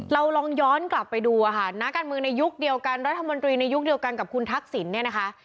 เราลองย้อนกลับไปดูอะค่ะนักการเมืองในยุคเดียวกันรัฐมนตรีในยุคเดียวกันกับคุณทักษิณเนี่ยนะคะ